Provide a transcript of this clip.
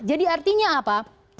jadi artinya apa